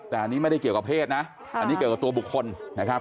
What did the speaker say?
แต่อันนี้ไม่ได้เกี่ยวกับเพศนะอันนี้เกี่ยวกับตัวบุคคลนะครับ